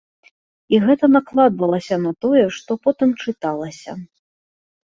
І гэта накладвалася на тое, што потым чыталася.